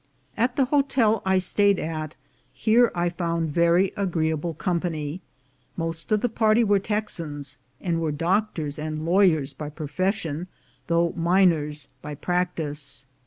At the hotel I stayed at here I found very agreeable company; most of the party were Texans, and were doctors and lawyers by profession, though miners by practice.